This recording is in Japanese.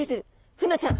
フナちゃん。